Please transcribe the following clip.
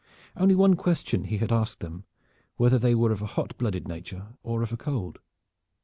Only one question he had asked them, whether they were of a hot blooded nature or of a cold.